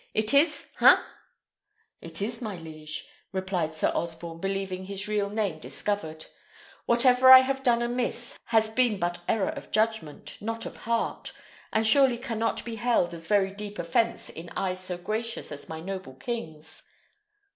It is? ha?" "It is, my liege," replied Sir Osborne, believing his real name discovered. "Whatever I have done amiss has been but error of judgment, not of heart, and surely cannot be held as very deep offence in eyes so gracious as my noble king's."